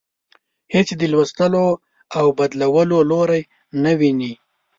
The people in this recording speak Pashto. هیڅ د لوستلو او بدلولو لوری نه ويني.